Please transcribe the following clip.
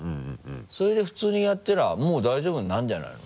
それで普通にやったらもう大丈夫になるんじゃないの？